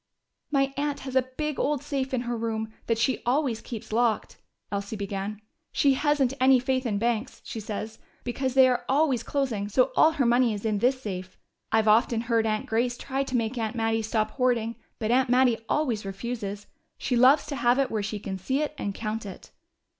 "My aunt has a big old safe in her room, that she always keeps locked," Elsie began. "She hasn't any faith in banks, she says, because they are always closing, so all her money is in this safe. I've often heard Aunt Grace try to make Aunt Mattie stop hoarding, but Aunt Mattie always refuses. She loves to have it where she can see it and count it."